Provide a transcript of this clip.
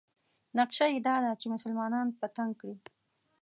نقشه یې دا ده چې مسلمانان په تنګ کړي.